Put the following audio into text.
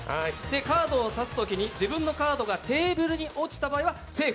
カードを差すときに自分のカードがテーブルに落ちたときはセーフ。